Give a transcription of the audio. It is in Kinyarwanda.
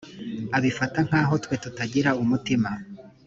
abifata nk’aho twe tutagira umutima